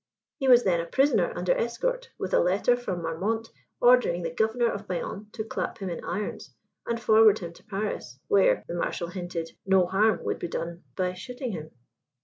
He was then a prisoner under escort, with a letter from Marmont ordering the Governor of Bayonne to clap him in irons and forward him to Paris, where (the Marshal hinted) no harm would be done by shooting him."